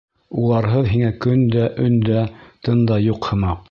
Уларһыҙ һиңә көн дә, өн дә, тын да юҡ һымаҡ.